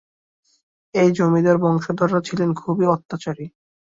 এই জমিদার বংশধররা ছিলেন খুবই অত্যাচারী।